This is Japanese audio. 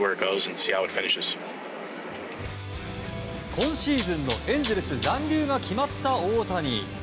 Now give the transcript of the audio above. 今シーズンのエンゼルス残留が決まった大谷。